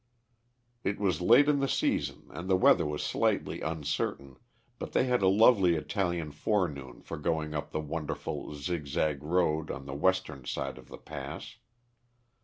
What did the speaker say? It was late in the season and the weather was slightly uncertain, but they had a lovely Italian forenoon for going up the wonderful, zigzag road on the western side of the pass.